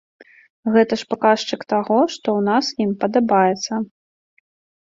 Гэта ж паказчык таго, што ў нас ім падабаецца.